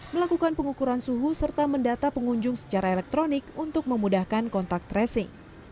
melakukan pengukuran suhu serta mendata pengunjung secara elektronik untuk memudahkan kontak tracing